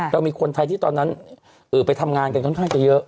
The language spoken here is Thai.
เรามีคนไทยที่ตอนนั้นไปทำงานกันค่อนข้างจะเยอะ